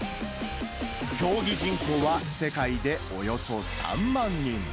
競技人口は世界でおよそ３万人。